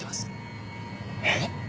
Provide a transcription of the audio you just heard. えっ？